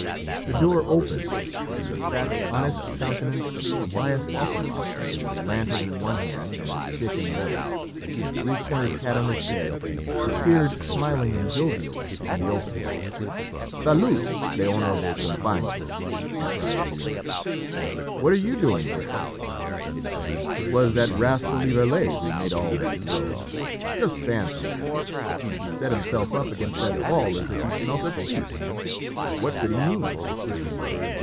The door opened, and the fat honest countenance of Tobias Offenloch with his lantern in one hand and his stick in the other, his three cornered hat on his head, appeared, smiling and jovial, in the opening. "Salut! l'honorable compagnie!" he cried as he entered; "what are you doing here?" "It was that rascal Lieverlé who made all that row. Just fancy he set himself up against that wall as if he smelt a thief. What could he mean?"